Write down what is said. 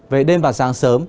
vậy đêm và sáng sớm